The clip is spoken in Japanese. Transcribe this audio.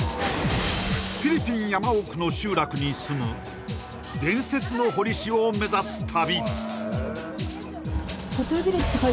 フィリピン山奥の集落に住む伝説の彫り師を目指す旅